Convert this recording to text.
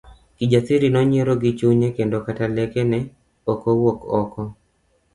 Kijasiri nonyiero gichunye kendo kata lake ne okowuok oko.